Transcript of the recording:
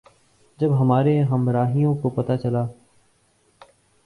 جب ہمارے ہمراہیوں کو پتہ چلا